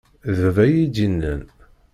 D baba iyi-d-yennan